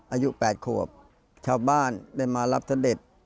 อายุ๘ขวบชาวบ้านได้มารับเสด็จ